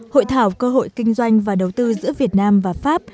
hội thảo cơ hội kinh doanh và đầu tư giữa việt nam và pháp